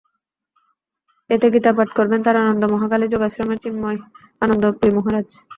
এতে গীতা পাঠ করবেন তারানন্দ মহাকালি যোগাশ্রমের চিন্ময় আনন্দ পুরি মহারাজ।